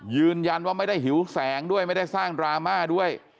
ยืนยันว่าไม่ได้หิวแสงด้วยไม่ได้สร้างดราม่าด้วย